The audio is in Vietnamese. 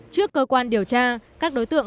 trước cơ quan điều tra các đối tượng